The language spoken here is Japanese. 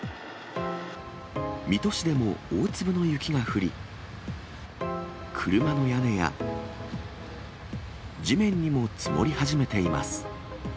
水戸市でも大粒の雪が降り、車の屋根や地面にも積もり始めています。